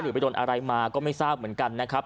ไปโดนอะไรมาก็ไม่ทราบเหมือนกันนะครับ